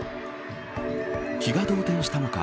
気が動転したのか